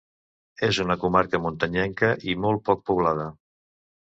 És una comarca muntanyenca i molt poc poblada.